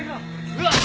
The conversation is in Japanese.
うわっ！！